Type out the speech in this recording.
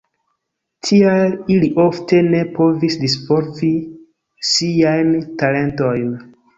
Tial ili ofte ne povis disvolvi siajn talentojn.